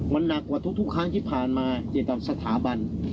มันนักกว่าทุกครั้งที่ผ่านมาในสถาบัน